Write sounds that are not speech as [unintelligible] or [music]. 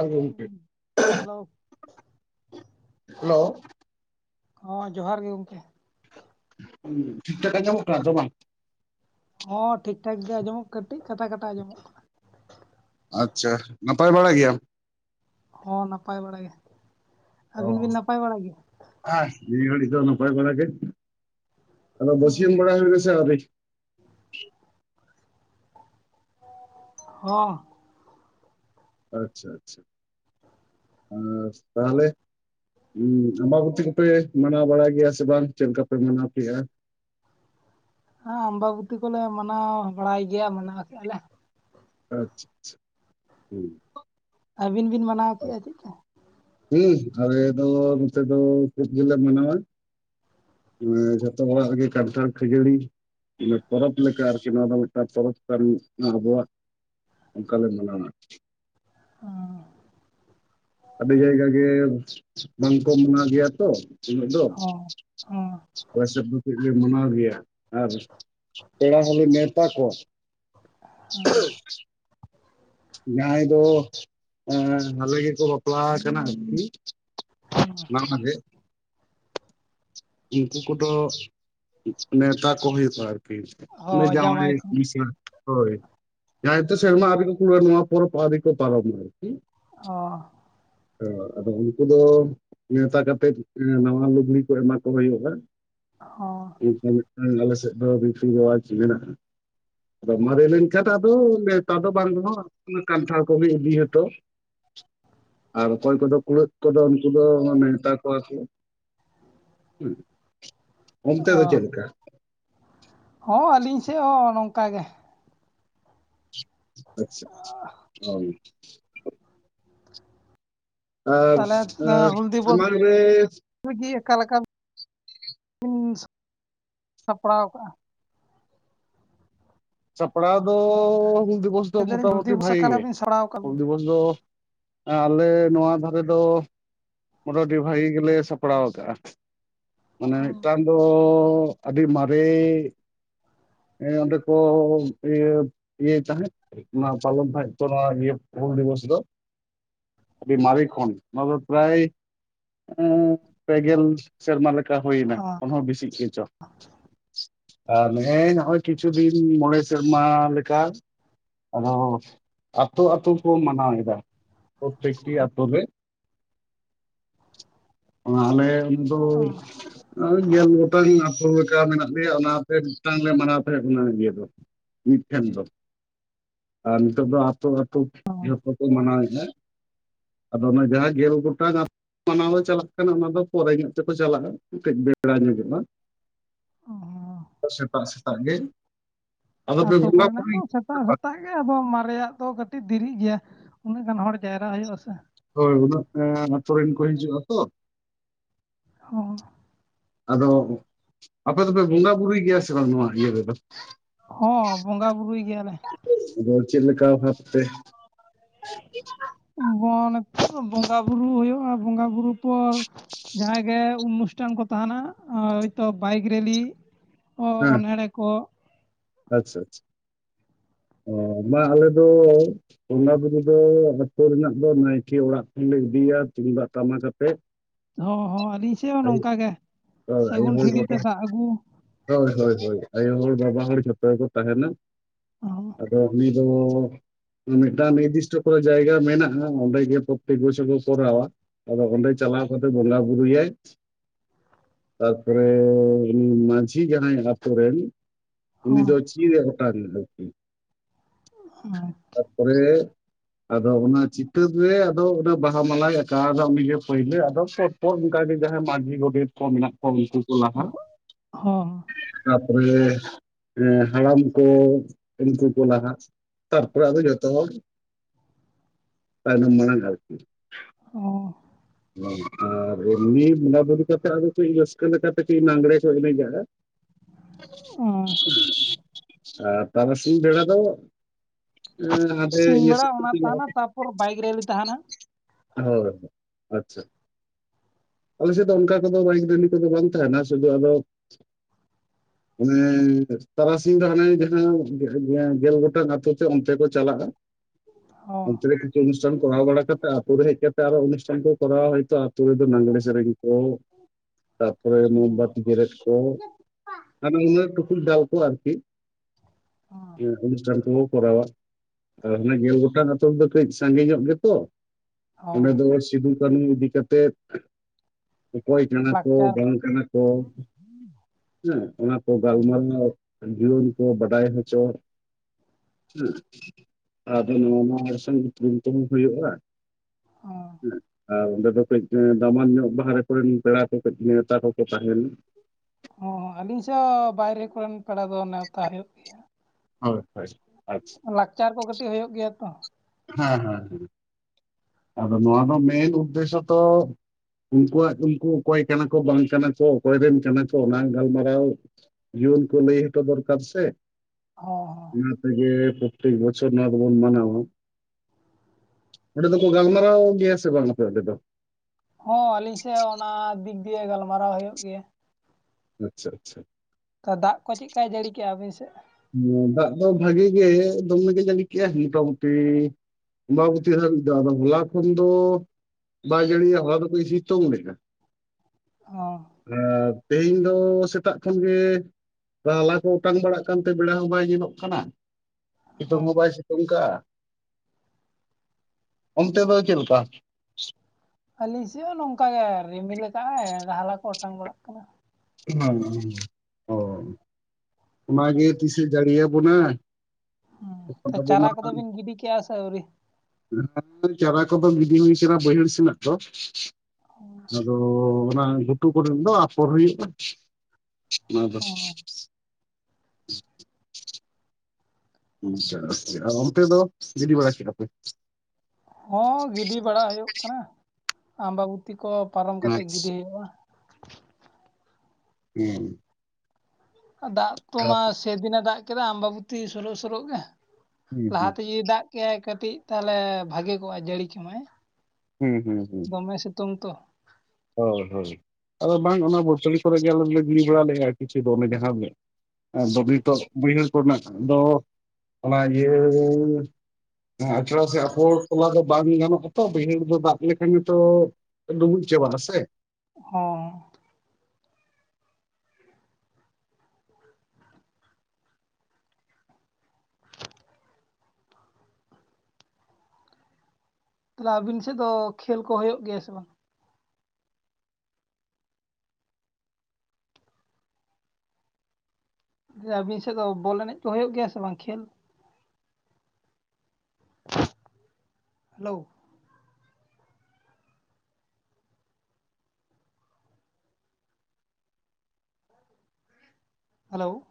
ᱦᱮᱸ ᱜᱚᱝᱠᱮ ᱩᱸ ᱦᱟᱞᱳ ᱦᱮᱞᱳ ᱚᱸ ᱡᱚᱦᱟᱨ ᱜᱮ ᱜᱚᱝᱠᱮ᱾ ᱩᱸ ᱴᱷᱤᱠ ᱴᱷᱟᱠ ᱟᱸᱡᱚᱢᱜ ᱠᱟᱱᱟ ᱛᱚ ᱵᱟᱝ᱾ ᱦᱚᱸ ᱴᱷᱤᱠ ᱴᱷᱟᱠ ᱜᱮ ᱟᱸᱚᱢᱚᱜ ᱠᱟᱹᱴᱤᱜ ᱠᱟᱴᱟ ᱠᱟᱴᱟ ᱟᱸᱡᱚᱢᱚᱜᱼᱟ᱾ ᱟᱪᱪᱷᱟ, ᱱᱟᱯᱟᱭ ᱵᱟᱲᱟ ᱜᱮᱭᱟᱢ? ᱦᱚᱸ ᱱᱟᱯᱟᱭ ᱵᱟᱲᱟ ᱜᱮ᱾ ᱟᱹᱵᱤᱱ ᱵᱤᱱ ᱱᱟᱯᱟᱭ ᱵᱟᱲᱟ ᱜᱮᱭᱟ? ᱮᱸ ᱱᱤᱭᱟᱹ ᱜᱟᱹᱲᱤᱜ ᱫᱚ ᱱᱟᱯᱟᱭ ᱵᱟᱲᱟ ᱜᱮ᱾ ᱟᱫᱚ ᱵᱟᱹᱥᱭᱟᱹᱢ ᱵᱟᱲᱟ ᱦᱩᱭ ᱠᱟᱱᱟ ᱥᱮ ᱟᱹᱣᱨᱤ? ᱦᱚᱸ, ᱟᱪᱪᱷᱟ ᱟᱪᱪᱷᱟ᱾ ᱟᱨ ᱛᱟᱦᱚᱞᱮ, ᱦᱩᱸ ᱟᱸᱢᱵᱟᱵᱩᱛᱤ ᱠᱚᱯᱮ ᱢᱟᱱᱟᱣ ᱵᱟᱲᱟᱭ ᱜᱮᱭᱟ ᱥᱮ ᱵᱟᱝ ᱪᱮᱫ ᱞᱮᱠᱟ ᱯᱮ ᱢᱟᱱᱟᱣ ᱠᱮᱜᱼᱟ? ᱦᱮᱸ ᱟᱢᱵᱟᱵᱩᱛᱤ ᱠᱚᱞᱮ ᱢᱟᱱᱟᱣ ᱵᱟᱲᱟᱭ ᱜᱮᱭᱟ, ᱢᱟᱱᱟᱣ ᱠᱮᱜᱼᱟᱞᱮ᱾ ᱟᱪᱪᱷᱟ ᱟᱪᱪᱷᱟ ᱪᱷᱟ᱾ ᱦᱩᱸ, ᱟᱹᱵᱤᱱ ᱵᱤᱱ ᱢᱟᱱᱟᱣ ᱠᱮᱜᱼᱟ ᱪᱮᱜ ᱪᱚ? ᱦᱩᱸ ᱟᱞᱮ ᱫᱚ ᱱᱚᱛᱮ ᱫᱚ ᱠᱩᱵ ᱜᱮᱞᱮ ᱢᱟᱱᱟᱣᱟ᱾ ᱮᱸᱻᱡᱷᱚᱛᱚ ᱚᱲᱟᱜ ᱨᱮᱜᱮ ᱠᱟᱴᱷᱟᱲ ᱠᱷᱟᱡᱟᱹᱲᱤ, ᱢᱟᱱᱮ ᱯᱚᱨᱚᱵᱽ ᱞᱮᱠᱟ ᱟᱨᱠᱤ ᱱᱚᱣᱟ ᱫᱚ ᱢᱤᱫᱴᱟᱝ ᱯᱚᱨᱚᱵᱽ ᱠᱟᱱ ᱱᱟ ᱟᱵᱚᱣᱟᱜ᱾ ᱚᱱᱠᱟ ᱞᱮ ᱢᱟᱱᱟᱣᱟ᱾ ᱦᱚᱸᱻ ᱟᱹᱰᱤ ᱡᱟᱭᱜᱟ ᱜᱮ ᱵᱟᱝ ᱠᱚ ᱢᱟᱱᱟᱣ ᱜᱮᱭᱟ ᱛᱚ ᱩᱱᱟᱹᱜ ᱫᱚ᱾ ᱦᱚᱸ ᱦᱚᱸ ᱟᱞᱮ ᱥᱮᱫ ᱫᱚ ᱠᱟᱹᱡ ᱞᱮ ᱢᱟᱱᱟᱣ ᱜᱮᱭᱟ ᱟᱨ ᱯᱮᱲᱟ ᱦᱚᱸᱞᱮ ᱱᱮᱶᱛᱟ ᱠᱚᱣᱟ᱾ [unintelligible] ᱡᱟᱦᱟᱸᱭ ᱫᱚ ᱦᱟᱞᱮ ᱜᱮᱠᱚ ᱵᱟᱯᱞᱟ ᱟᱠᱟᱱᱟ ᱟᱨᱠᱤ, ᱚᱱᱟ ᱚᱱᱟ ᱜᱮ᱾ ᱩᱱᱠᱩ ᱠᱚᱫᱚ ᱱᱮᱶᱛᱟ ᱠᱚ ᱦᱩᱭᱩᱜᱼᱟ ᱟᱨᱠᱤ᱾ ᱚᱱᱮ ᱦᱚᱸ ᱡᱟᱶᱟᱭ ᱡᱟᱸᱣᱟᱭ ᱠᱚ ᱢᱤᱥᱨᱟ, ᱦᱳᱭ, ᱡᱟᱦᱟᱸᱭ ᱛᱚ ᱥᱮᱨᱢᱟ ᱟᱹᱣᱨᱤ ᱠᱚ ᱠᱩᱲᱟᱹᱣᱟ ᱱᱚᱣᱟ ᱯᱚᱨᱚᱵᱽ ᱟᱹᱣᱨᱤ ᱠᱚ ᱯᱟᱨᱚᱢᱟ ᱟᱨᱠᱤ᱾ ᱚᱸᱻ ᱦᱚᱸ ᱟᱫᱚ ᱩᱱᱠᱩ ᱫᱚ ᱱᱮᱣᱛᱟ ᱠᱟᱛᱮᱫ ᱮᱸ ᱱᱟᱣᱟ ᱞᱩᱜᱽᱲᱤ ᱠᱚ ᱮᱢᱟ ᱠᱚ ᱦᱩᱭᱩᱜᱼᱟ᱾ ᱦᱚᱸ, ᱚᱱᱠᱟ ᱢᱤᱫᱴᱟᱝ ᱟᱞᱮ ᱥᱮᱜ ᱫᱚ ᱨᱤᱛᱤ ᱨᱮᱣᱟᱡᱽ ᱢᱮᱱᱟᱜᱼᱟ᱾ ᱟᱫᱚ ᱢᱟᱨᱮ ᱞᱮᱱ ᱠᱷᱟᱱ ᱛᱚ ᱟᱫᱚ ᱱᱮᱣᱛᱟ ᱫᱚ ᱵᱟᱝ ᱨᱮᱦᱚᱸ ᱚᱱᱮ ᱠᱟᱱᱴᱷᱟᱲ ᱠᱚ ᱜᱮ ᱤᱫᱤ ᱦᱚᱴᱚ᱾ ᱟᱨ ᱚᱠᱚᱭ ᱠᱚᱫᱚ ᱠᱩᱲᱟᱹᱫ ᱠᱚᱫᱚ ᱩᱱᱠᱩ ᱫᱚ ᱱᱮᱣᱛᱟ ᱠᱚᱣᱟ ᱠᱚ᱾ ᱦᱮᱸ, ᱚᱱᱛᱮ ᱚ ᱫᱚ ᱪᱮᱫ ᱞᱮᱠᱟ? ᱦᱚᱸ ᱟᱹᱞᱤᱧ ᱥᱮᱜ ᱦᱚᱸ ᱱᱚᱝᱠᱟ ᱜᱮ᱾ ᱟᱪᱪᱷᱟ ᱟᱪᱪᱷᱟ ᱦᱚᱭ᱾ ᱟᱨᱥ ᱛᱟᱦᱚᱞᱮ ᱟᱨ ᱥᱟᱢᱟᱝ ᱨᱮᱥ, [unintelligible] ᱜᱮ ᱵᱤᱱ ᱥᱟᱯᱲᱟᱣ ᱠᱟᱜᱼᱟ ᱥᱟᱯᱲᱟᱣ ᱫᱚ ᱦᱩᱞ ᱫᱤᱵᱚᱥ ᱫᱚ ᱞᱟᱹᱭ ᱫᱟᱞᱤᱧ ᱦᱚᱞᱫᱤ ᱢᱳᱴᱟᱢᱩᱴᱤ ᱵᱚᱥᱟ ᱵᱷᱟᱜᱤ ᱚᱠᱟ ᱞᱮᱠᱟ ᱜᱮ ᱵᱤᱱ ᱥᱟᱯᱲᱟᱣ ᱠᱟᱜᱼᱟ ᱦᱩᱞ ᱵᱤᱱ ᱫᱤᱵᱚᱥ ᱫᱚ᱾ ᱟᱸᱼᱞᱮ ᱱᱚᱣᱟ ᱫᱷᱟᱨᱮ ᱫᱚ ᱢᱚᱰᱳᱰᱤ ᱵᱷᱟᱹᱜᱤ ᱜᱮᱞᱮ ᱥᱟᱯᱲᱟᱣ ᱠᱟᱜᱼᱟ, ᱢᱟᱱᱮ ᱢᱤᱜᱴᱟᱝ ᱫᱚ ᱟᱰᱤ ᱢᱟᱨᱮᱹ ᱮᱸ ᱚᱸᱰᱮ ᱠᱚ ᱤᱭᱟᱹᱵ, ᱤᱭᱟᱹᱭ ᱛᱟᱦᱮᱸᱜ᱾ ᱱᱟ ᱯᱟᱞᱚᱱ ᱛᱟᱦᱮᱜ ᱠᱚ ᱱᱚᱣᱟ ᱤᱭᱟᱹ 'ᱦᱩᱞ ᱫᱤᱵᱚᱥ' ᱫᱚ᱾ ᱟᱹᱰᱤ ᱢᱟᱨᱮ ᱠᱷᱚᱱ, ᱚᱱᱟ ᱫᱚ ᱯᱨᱟᱭ ᱮᱸ ᱯᱮᱜᱮᱞ ᱥᱮᱨᱢᱟ ᱞᱮᱠᱟ ᱦᱩᱭᱱᱟ ᱠᱷᱚᱱ ᱦᱚᱸ ᱵᱮᱥᱤᱜ ᱜᱮᱪᱚ ᱟᱨ ᱱᱮᱦᱮ ᱧᱟᱜ ᱚᱸᱭ ᱠᱤᱪᱷᱩ ᱫᱤᱱ ᱢᱚᱬᱮ ᱥᱮᱨᱢᱟ ᱞᱮᱠᱟ᱾ ᱟᱫᱚ ᱟᱛᱳ-ᱟᱛᱳ ᱠᱚ ᱢᱟᱱᱟᱣ ᱮᱫᱟ, ᱯᱨᱚᱛᱛᱮᱠᱴᱤ ᱟᱛᱳ ᱜᱮ᱾ ᱚᱱᱟ ᱟᱞᱮ ᱩᱱᱫᱳ ᱟᱸᱻ ᱜᱮᱞ ᱜᱚᱴᱟᱝ ᱟᱛᱳ ᱠᱟ ᱢᱮᱱᱟᱜ ᱞᱮᱭᱟ, ᱚᱱᱟᱛᱮ ᱢᱤᱜᱴᱟᱝ ᱞᱮ ᱢᱟᱱᱟᱣ ᱴᱮᱜᱚᱱᱟ ᱤᱭᱟᱹ ᱫᱚ, ᱢᱤᱫ ᱴᱮᱱ ᱫᱚ᱾ ᱟ ᱱᱤᱛᱚᱜ ᱫᱚ ᱟᱛᱳ-ᱟᱛᱳ ᱦᱚᱸ ᱮᱦᱚᱯ ᱠᱚᱠᱚ ᱢᱟᱱᱟᱣᱮᱫᱟ᱾ ᱟᱫᱚ ᱚᱱᱟ ᱡᱟᱦᱟᱸ ᱜᱮᱞ ᱜᱚᱴᱟᱝ ᱟ ᱢᱟᱱᱟᱣ ᱫᱚ ᱪᱟᱞᱟᱜ ᱠᱟᱱᱟ, ᱚᱱᱟ ᱫᱚ ᱯᱚᱨᱮ ᱧᱚᱜ ᱛᱮᱠᱚ ᱪᱟᱞᱟᱜᱼᱟ, ᱠᱟᱹᱡ ᱵᱮᱲᱟ ᱧᱚᱜᱚᱜᱼᱟ᱾ ᱚ ᱟ ᱥᱮᱛᱟᱜ-ᱥᱮᱛᱟᱜ ᱜᱮ᱾ ᱟᱫᱚ ᱯᱮ ᱟᱛᱳ ᱠᱚ ᱵᱚᱸᱜᱟ ᱨᱮᱱᱟᱜ ᱵᱩᱨᱩᱭ ᱫᱚᱻ ᱜᱮᱭᱟ ᱥᱮ ᱵᱟᱝ? ᱥᱮᱛᱟᱜ-ᱥᱮᱛᱟᱜ ᱜᱮᱻ ᱟᱫᱚ ᱢᱟᱨᱮᱭᱟᱜ ᱫᱚ ᱠᱟᱴᱤᱜ ᱫᱤᱨᱤᱜ ᱜᱮᱭᱟ, ᱩᱱᱟᱹᱜ ᱜᱟᱱ ᱦᱚᱲ ᱡᱟᱭᱨᱟᱜ ᱦᱩᱭᱩᱜ ᱟᱥᱮ᱾ ᱦᱳᱭ, ᱩᱱᱟᱹᱜ ᱜᱟᱱ ᱟᱛᱳ ᱨᱮᱱ ᱠᱚ ᱦᱤᱡᱩᱜᱼᱟ, ᱛᱚᱻ᱾ ᱦᱚᱸ᱾ ᱟᱫᱚ, ᱟᱯᱮ-ᱫᱚᱯᱮ ᱵᱚᱸᱜᱟ-ᱵᱩᱨᱩᱭ ᱜᱮᱭᱟ ᱥᱮ ᱵᱟᱝ ᱱᱚᱣᱟ ᱤᱭᱟᱹ ᱨᱮᱫᱚ? ᱠᱷᱚᱸᱻ ᱵᱚᱸᱜᱟ-ᱵᱩᱨᱩᱭ ᱜᱮᱭᱟ ᱞᱮᱦ᱾ ᱟᱛᱩ ᱟᱫᱚ ᱪᱮᱜ ᱞᱮᱠᱟ ᱵᱷᱟᱵᱽ ᱛᱮ? ᱵᱚᱱ ᱵᱚᱸᱜᱟ-ᱵᱩᱨᱩ ᱦᱩᱭᱩᱜᱼᱟ, ᱵᱚᱸᱜᱟ-ᱵᱩᱨᱩ ᱯᱚᱨ ᱡᱟᱦᱟᱸᱭ ᱜᱮ ᱩᱱᱩᱥ- -ᱴᱟᱝ ᱠᱚ ᱛᱟᱦᱮᱱᱟ ᱟ ᱣᱚᱭᱛᱚ ᱵᱟᱭᱜᱨᱮᱞᱤ, ᱚ ᱚᱱᱦᱮᱲᱮ ᱠᱚ᱾ ᱟᱪᱪᱷᱟ-ᱪᱷᱟ, ᱚ ᱢᱟ ᱟᱞᱮ ᱫᱚ ᱵᱚᱸᱜᱟ-ᱵᱩᱨᱩ ᱫᱚ, ᱟᱹᱛᱩ ᱨᱮᱱᱟᱜ ᱫᱚ ᱱᱟᱭᱠᱮ ᱚᱲᱟᱜ ᱛᱮᱞᱮ ᱤᱫᱤᱭᱟ ᱛᱩᱱᱫᱟᱜ, ᱴᱟᱢᱟ ᱠᱟᱛᱮᱜ᱾ ᱦᱚᱸ, ᱦᱚᱸ, ᱟᱹᱞᱤᱧ ᱥᱮᱜ ᱦᱚᱸ ᱱᱚᱝᱠᱟ ᱜᱮ, ᱦᱳᱭ ᱟᱭᱳ ᱥᱟᱹᱜᱩᱱ ᱦᱚᱲ ᱴᱷᱤᱞᱤ ᱛᱮ ᱵᱟᱵᱟ ᱫᱟᱜ ᱟᱹᱜᱩ ᱦᱳᱭ, ᱦᱳᱭ, ᱦᱳᱭ, ᱟᱭᱳ ᱦᱚᱲ, ᱵᱟᱵᱟ ᱦᱚᱲ ᱡᱷᱚᱛᱚ ᱜᱮᱠᱚ ᱛᱟᱦᱮᱱᱟ᱾ ᱚᱸ ᱦᱚᱸ᱾ ᱟᱫᱚ, ᱩᱱᱤ ᱫᱚ ᱚᱸ ᱢᱤᱜᱴᱟᱱ ᱱᱤᱫᱤᱥᱴᱚ ᱠᱚᱨᱮ ᱡᱟᱭᱜᱟ ᱢᱮᱱᱟᱜᱼᱟᱸᱻ, ᱚᱸᱰᱮ ᱜᱮ ᱯᱚᱛᱛᱮᱠ ᱵᱚᱪᱷᱚᱨ ᱠᱚ ᱠᱚᱨᱟᱣᱟ᱾ ᱟᱫᱚ ᱚᱸᱰᱮ ᱪᱟᱞᱟᱣ ᱠᱟᱛᱮᱜ ᱵᱚᱸᱜᱟ-ᱵᱩᱨᱩ ᱭᱟᱭ᱾ ᱛᱟᱯᱚᱨᱮ ᱩᱱᱤ ᱢᱟᱺᱡᱷᱤ ᱡᱟᱦᱟᱸᱭ ᱟᱛᱩᱨᱮᱱ, ᱩᱱᱤ ᱦᱚᱸ ᱫᱚ ᱪᱤᱨᱮ ᱚᱴᱟᱝ ᱞᱮᱫᱟ ᱠᱤ᱾ ᱦᱚᱸ ᱠᱷᱤ᱾ ᱛᱟᱯᱚᱨᱮ ᱟᱫᱚ ᱚᱱᱟ ᱪᱤᱛᱟᱹᱨ ᱨᱮ, ᱟᱫᱚ ᱚᱱᱟ ᱵᱟᱦᱟ ᱢᱟᱞᱟᱭ ᱟᱠᱟ ᱣᱟᱫᱟ ᱩᱱᱤᱜᱮ ᱯᱟᱹᱭᱞᱟᱹ, ᱟᱫᱚ ᱯᱚ ᱯᱚᱨ ᱚᱝᱠᱟ ᱜᱮ ᱡᱟᱦᱟᱸ ᱢᱟᱡᱷᱤ, ᱜᱚᱰᱮᱛ ᱠᱚ ᱢᱮᱱᱟᱜ ᱠᱚ, ᱩᱝᱠᱩ ᱠᱚ ᱞᱟᱦᱟ᱾ ᱦᱚᱸ ᱛᱟᱯᱚᱨᱮ ᱮᱸ ᱦᱟᱲᱟᱢ ᱠᱚ, ᱩᱝᱠᱩ ᱠᱚ ᱞᱟᱦᱟᱜ ᱛᱟᱨᱯᱚᱨᱮ ᱟᱫᱚ ᱡᱚᱛᱚ [inaudible] ᱛᱟᱭᱱᱚᱢ-ᱢᱟᱲᱟᱝ ᱟᱨᱠᱤ᱾ ᱦᱚᱸ᱾ [inaudible] ᱟᱨ ᱮᱢᱱᱤ ᱵᱚᱸᱜᱟ-ᱵᱩᱨᱩ ᱠᱟᱛᱮᱜ ᱟᱫᱚ [inaudible] ᱨᱟᱹᱥᱠᱟᱹ ᱞᱮᱠᱟᱛᱮ ᱴᱤ ᱞᱟᱸᱜᱽᱲᱮ ᱠᱚ ᱮᱱᱮᱡᱟᱻ᱾ ᱦᱚᱸ, [inaudible] ᱟ ᱛᱟᱨᱟᱥᱤᱧ ᱵᱮᱲᱟ ᱫᱚ ᱥᱤᱧ ᱵᱮᱲᱟ ᱚᱱᱟ ᱛᱟᱦᱮᱱᱟ ᱛᱟᱨᱯᱚᱨ ᱵᱟᱭᱤᱠ ᱨᱮᱞᱤ ᱛᱟᱦᱮᱱᱟ [unintelligible] ᱟᱪᱪᱷᱟ ᱟᱞᱮ ᱥᱮᱫ ᱫᱚ ᱚᱱᱠᱟ ᱠᱚ ᱫᱚ ᱵᱟᱭᱤᱠ ᱨᱮᱱᱤ ᱠᱚᱫᱚ ᱵᱟᱝ ᱛᱟᱦᱮᱱᱟ ᱥᱩᱫᱩ ᱟᱫᱚᱼᱼ ᱦᱟᱱᱮ ᱛᱟᱨᱟᱥᱤᱧ ᱫᱚ ᱦᱟᱱᱮ ᱡᱟᱦᱟᱸ ᱜᱮᱞ ᱜᱚᱴᱟᱝ ᱟᱛᱳ ᱛᱮ ᱚᱱᱛᱮ ᱠᱚ ᱪᱟᱞᱟᱜᱼᱟ ᱦᱚᱸ ᱚᱱᱛᱮ ᱨᱮᱜᱮ ᱠᱤᱪᱷᱩ ᱚᱱᱩᱥᱴᱷᱟᱱ ᱠᱚᱨᱟᱣ ᱵᱟᱲᱟ ᱠᱟᱛᱮ ᱟᱹᱛᱩ ᱨᱮ ᱦᱮᱡ ᱠᱟᱛᱮ [unintelligible] [unintelligible] ᱠᱚᱨᱟᱣᱟ ᱦᱚᱭᱛᱚ ᱟᱹᱛᱩ ᱨᱮ ᱫᱚ [unintelligible] ᱥᱮᱨᱮᱧ ᱠᱚ ᱛᱟᱯᱚᱨᱮ ᱢᱚᱢ ᱦᱚᱸ ᱵᱟᱛᱤ ᱡᱮᱨᱮᱫ ᱠᱚ [unintelligible] ᱯᱷᱩᱞ ᱫᱷᱟᱣ ᱠᱚ ᱟᱨᱠᱤ ᱚ [unintelligible] ᱚᱱᱩᱥᱴᱷᱟᱱ ᱠᱚᱵᱚ ᱠᱚᱨᱟᱣᱟ ᱦᱟᱱᱮ ᱜᱮᱞ ᱜᱚᱴᱟᱝ ᱟᱹᱛᱩ ᱫᱚ ᱠᱟᱹᱡ ᱥᱟᱺᱜᱤᱧᱚᱜ ᱜᱮᱛᱚ ᱚᱸᱰᱮ ᱫᱚ ᱥᱤᱫᱩ ᱠᱟᱹᱱᱩ ᱤᱫᱤ ᱠᱟᱛᱮᱫᱼᱼ ᱚᱠᱚᱭ ᱠᱟᱱᱟ ᱠᱚ ᱞᱟᱠᱪᱟᱨ ᱵᱟᱝ ᱠᱟᱱᱟ ᱠᱚ ᱦᱮᱸ ᱚᱱᱟ ᱠᱚ ᱜᱟᱞᱢᱟᱨᱟᱣ ᱡᱩᱭᱟᱱ ᱠᱚ ᱵᱟᱰᱟᱭ ᱦᱚᱪᱚᱼᱼ ᱦᱮ ᱟᱫᱚ ᱱᱚᱣᱟ ᱢᱟ [unintelligible] ᱦᱩᱭᱩᱜᱼᱟ ᱦᱚᱸ ᱟᱨ ᱚᱸᱰᱮ ᱫᱚ ᱠᱟᱹᱡ ᱫᱟᱢᱟᱱ ᱧᱚᱜ ᱵᱟᱦᱨᱮ ᱠᱚᱨᱮᱱ ᱯᱮᱲᱟ ᱠᱚ ᱠᱟᱹᱡ ᱱᱮᱶᱛᱟ ᱠᱚᱠᱚ ᱛᱟᱦᱮᱱᱟ ᱚᱼᱚ ᱟᱹᱞᱤᱧ ᱥᱟᱶ ᱵᱟᱭᱨᱮ ᱠᱚᱨᱮᱱ ᱯᱮᱲᱟ ᱫᱚ ᱱᱮᱣᱛᱟ ᱦᱩᱭᱩᱜ ᱜᱮᱭᱟ ᱦᱳᱭ ᱦᱳᱭ ᱟᱪᱪᱷᱟᱼᱼ ᱞᱟᱠᱪᱟᱨ ᱠᱚ ᱠᱟᱹᱴᱤᱡ ᱦᱩᱭᱩᱜ ᱜᱮᱭᱟ ᱛᱚ ᱦᱮᱸ ᱦᱮᱸ [unintelligible] ᱟᱫᱚ ᱱᱚᱣᱟ ᱫᱚ ᱢᱮᱱ ᱩᱫᱽᱫᱮᱥᱥᱚ ᱛᱚᱼᱼ ᱩᱱᱠᱩᱣᱟᱜ ᱩᱱᱠᱩ ᱚᱠᱚᱭ ᱠᱟᱱᱟ ᱠᱚ ᱵᱟᱝ ᱠᱟᱱᱟ ᱠᱚ ᱚᱠᱚᱭ ᱨᱮᱱ ᱠᱟᱱᱟ ᱠᱚ ᱚᱱᱟ ᱜᱟᱞᱢᱟᱨᱟᱣ ᱡᱩᱭᱟᱱ ᱠᱚ ᱞᱟᱹᱭ ᱦᱚᱴᱚ ᱫᱚᱨᱠᱟᱨ ᱥᱮᱼᱼ ᱦᱚᱸ ᱦᱚᱸ ᱚᱱᱟ ᱛᱮᱜᱮ ᱯᱚᱨᱛᱮᱠ ᱵᱚᱪᱷᱚᱨ ᱱᱚᱣᱟ ᱫᱚ ᱵᱚᱱ ᱢᱟᱱᱟᱣᱟ ᱚᱸᱰᱮ ᱫᱚᱠᱚ ᱜᱟᱞᱢᱟᱨᱟᱣ ᱜᱮᱭᱟ ᱥᱮ ᱵᱟᱝ ᱟᱯᱮ ᱚᱸᱰᱮ ᱫᱚᱼᱼ ᱦᱚᱸ ᱟᱹᱞᱤᱧ ᱥᱮᱫ ᱚᱱᱟ ᱫᱤᱠ ᱫᱤᱭᱮ ᱜᱟᱞᱢᱟᱨᱟᱣ ᱦᱩᱭᱩᱜ ᱜᱮᱭᱟ ᱟᱪᱪᱷᱟ ᱟᱪᱪᱷᱟ ᱛᱚ ᱫᱟᱜ ᱠᱚ ᱪᱮᱫᱠᱟᱭ ᱡᱟᱹᱲᱤ ᱠᱮᱜᱼᱟ ᱟᱹᱵᱤᱱ ᱥᱮᱫᱼᱼ ᱦᱮᱸ ᱫᱟᱜ ᱫᱚ ᱵᱷᱟᱜᱤ ᱜᱮ ᱫᱚᱢᱮ ᱜᱮ ᱡᱟᱹᱲᱤ ᱠᱮᱜᱭᱟ ᱢᱚᱴᱟᱢᱩᱴᱤ ᱟᱸᱵᱟᱵᱩᱛᱤ [unintelligible] ᱟᱫᱚ ᱦᱚᱞᱟ ᱠᱷᱚᱱ ᱫᱚᱼᱼ ᱫᱟᱜ ᱡᱟᱹᱲᱤ ᱦᱚᱞᱟ ᱫᱚ ᱠᱟᱹᱡ ᱮ ᱥᱤᱛᱩᱝ ᱞᱮᱫᱟ ᱦᱚᱸ ᱟᱨ ᱛᱮᱦᱮᱧ ᱫᱚ ᱥᱮᱛᱟᱜ ᱠᱷᱚᱱ ᱜᱮ ᱨᱟᱦᱞᱟ ᱠᱚ ᱚᱴᱟᱝ ᱵᱟᱲᱟᱜ ᱼᱼ ᱪᱮᱛᱟᱱ ᱛᱮ ᱵᱮᱲᱟ ᱦᱚᱸ ᱵᱟᱭ ᱧᱮᱞᱚᱜ ᱠᱟᱱᱟ ᱥᱤᱛᱩᱝ ᱦᱚᱸ ᱵᱟᱭ ᱥᱤᱛᱩᱝ ᱠᱟᱜᱼᱟ ᱚᱱᱛᱮ ᱫᱚ ᱪᱮᱫ ᱞᱮᱠᱟ? ᱟᱹᱞᱤᱧ ᱥᱮᱫ ᱦᱚᱸ ᱱᱚᱝᱠᱟ ᱜᱮ ᱨᱤᱢᱤᱞ ᱠᱟᱜᱼ ᱟᱭ ᱨᱟᱦᱟᱞᱟ ᱠᱚ ᱚᱴᱟᱝ ᱵᱟᱲᱟᱜ ᱠᱟᱱᱟ ᱦᱮᱸ ᱦᱮᱸ ᱚᱱᱟ ᱜᱮ ᱛᱤᱥᱮ ᱡᱟᱹᱲᱤ ᱟᱵᱚᱱᱟ ᱦᱚᱸ ᱛᱚ ᱪᱟᱨᱟ ᱠᱚᱫᱚ ᱵᱤᱱ ᱜᱤᱰᱤ ᱠᱮᱜᱼᱟ ᱥᱮ ᱟᱹᱣᱨᱤ ᱦᱮᱸ ᱪᱟᱨᱟ ᱠᱚᱫᱚ ᱜᱤᱰᱤ ᱦᱩᱭ ᱠᱟᱱᱟ ᱵᱟᱹᱭᱦᱟᱹᱲ ᱥᱮᱱᱟᱜ ᱫᱚᱼᱼ ᱚᱻ ᱟᱫᱚ ᱚᱱᱟ ᱜᱷᱩᱴᱩ ᱠᱚᱨᱮ ᱫᱚ ᱟᱯᱷᱚᱨ ᱦᱩᱭᱩᱜᱼᱟ ᱚᱱᱟ ᱫᱚᱼᱼ [inaudible] [unintelligible] ᱚᱱᱛᱮ ᱫᱚ ᱜᱤᱰᱤ ᱵᱟᱲᱟ ᱠᱮᱫᱟ ᱯᱮ ᱦᱚᱸ ᱜᱤᱰᱤ ᱵᱟᱲᱟ ᱦᱩᱭᱩᱜ ᱠᱟᱱᱟ ᱟᱢᱵᱟᱵᱚᱛᱤ ᱠᱚ ᱯᱟᱨᱚᱢ ᱠᱟᱛᱮ ᱟᱪᱪᱷᱟ ᱜᱤᱰᱤ ᱦᱩᱭᱩᱜᱼᱟ ᱦᱮᱸ ᱾ ᱫᱟᱜ ᱛᱚ ᱢᱟ ᱥᱮᱫᱤᱱᱮ ᱫᱟᱜ ᱠᱮᱫᱟ ᱟᱢᱵᱟᱵᱩᱛᱤ ᱥᱳᱨᱳᱜ ᱥᱳᱨᱳᱜ ᱜᱮ ᱾ ᱦᱩᱸ ᱦᱩᱸ ᱞᱟᱦᱟᱛᱮ ᱡᱩᱫᱤ ᱫᱟᱜ ᱠᱮᱜᱼᱟᱭ ᱠᱟᱹᱴᱤᱡ ᱛᱟᱦᱚᱞᱮ ᱵᱷᱟᱜᱤ ᱠᱚᱜᱼᱟ ᱡᱟᱹᱲᱤ ᱦᱩᱸ ᱦᱩᱸ [unintelligible] ᱦᱩᱸ ᱫᱚᱢᱮ ᱥᱤᱛᱩᱝ ᱛᱚ ᱾ ᱦᱳᱭ ᱦᱳᱭ ᱾ ᱟᱫᱚ ᱵᱟᱝ ᱚᱱᱟ [unintelligible] ᱠᱚᱨᱮ ᱜᱮ ᱟᱞᱮ ᱫᱚᱞᱮ ᱜᱤᱲᱤ ᱵᱟᱲᱟ ᱞᱮᱫᱼᱟ ᱟᱨ ᱠᱤᱪᱷᱩ ᱫᱚ ᱚᱱᱮ ᱡᱟᱦᱟᱸ [unintelligible] ᱵᱟᱹᱭᱦᱟᱹᱲ ᱠᱚᱨᱮᱱᱟᱜ ᱫᱚ ᱚᱱᱟᱻ ᱤᱭᱟᱹ ᱦᱮᱸ ᱟᱪᱷᱲᱟ ᱥᱮ ᱟᱯᱷᱚᱨ ᱛᱚᱞᱟ ᱫᱚ ᱵᱟᱝ ᱜᱟᱱᱚᱜᱼᱟ ᱛᱚ ᱵᱟᱹᱭᱦᱟᱹᱲ ᱫᱚ ᱫᱟᱜ ᱞᱮᱠᱷᱟᱱ ᱜᱮᱛᱚ ᱰᱩᱵᱩᱡ ᱪᱟᱵᱟᱜᱼᱟ ᱥᱮ ᱾ ᱦᱚᱸᱻ [inaudible] ᱛᱟᱦᱞᱮ ᱟᱵᱤᱱ ᱥᱮᱫ ᱫᱚ ᱠᱷᱮᱞ ᱠᱚ ᱦᱩᱭᱩᱜ ᱜᱮᱭᱟ ᱥᱮ ᱵᱟᱝ? ᱡᱮ ᱟᱵᱤᱱ ᱥᱮᱫ ᱫᱚ ᱵᱚᱞ ᱮᱱᱮᱡ ᱠᱚ ᱦᱩᱭᱩᱜ ᱜᱮᱭᱟ ᱥᱮ ᱵᱟᱝ ᱠᱷᱮᱞ? [inaudible] ᱦᱮᱞᱳ ᱾ ᱦᱮᱞᱳᱻ